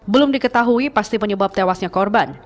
belum diketahui pasti penyebab tewasnya korban